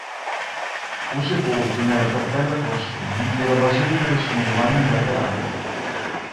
Fu sepolto nella Cappella Corsini della basilica di San Giovanni in Laterano.